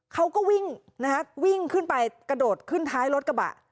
เขาก็วิ่งนะฮะวิ่งขึ้นไปกระโดดขึ้นท้ายรถกระบะ